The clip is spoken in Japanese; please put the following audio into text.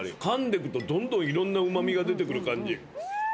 かんでくとどんどんいろんなうま味が出てくる感じ。